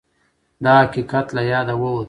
دا حقیقت له یاده ووت